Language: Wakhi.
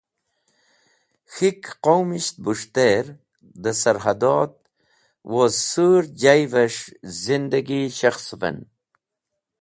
K̃hik Qaumisht Bus̃hter de sarhadat woz Sur jayves̃h zindagi shekhsuven.